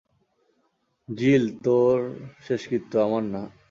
জিল তোর শেষকৃত্য, আমার না।